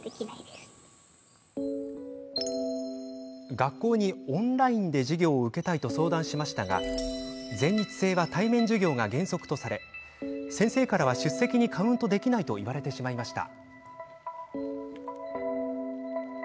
学校に、オンラインで授業を受けたいと相談しましたが全日制は対面授業が原則とされ先生からは出席にカウントできないと言われてしまいました。